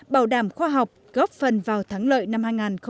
bảo đảm khoa học góp phần vào thắng lợi năm hai nghìn một mươi tám